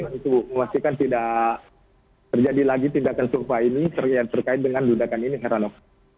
untuk memastikan tidak terjadi lagi tindakan sumpah ini yang terkait dengan ledakan ini pak ranof